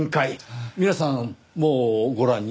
皆さんもうご覧に？